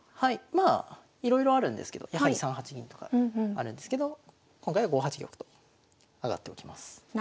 まあいろいろあるんですけどやはり３八銀とかあるんですけど今回は５八玉と上がっておきます。